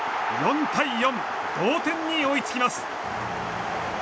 ４対４、同点に追いつきます。